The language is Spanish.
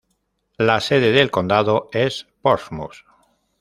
La sede del condado es Portsmouth.